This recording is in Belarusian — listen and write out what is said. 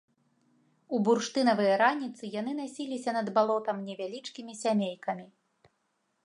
У бурштынавыя раніцы яны насіліся над балотам невялічкімі сямейкамі.